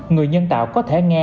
người nhân tạo có thể nghe